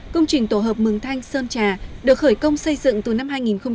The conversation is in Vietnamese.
công trình tổ hợp mường thanh sơn trà được khởi công xây dựng từ năm hai nghìn một mươi